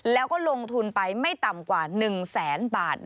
แล้วก็ลงทุนไปไม่ต่ำกว่า๑แสนบาท